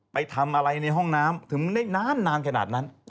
ไปทำอะไรในห้องน้ำถึงได้นานขนาดนั้น